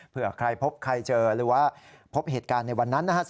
เผื่อใครพบใครเจอหรือว่าพบเหตุการณ์ในวันนั้นนะฮะ